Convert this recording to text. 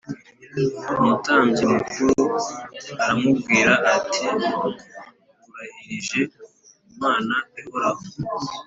Umutambyi mukuru aramubwira ati “Nkurahirije Imana ihoraho